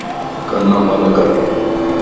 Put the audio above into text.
کلن بند ڪر